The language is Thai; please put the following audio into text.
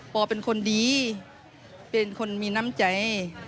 อเป็นคนดีเป็นคนมีน้ำใจ